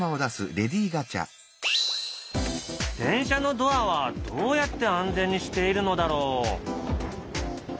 電車のドアはどうやって安全にしているのだろう？